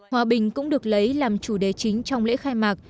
hòa bình cũng được lấy làm chủ đề chính trong lễ khai mạc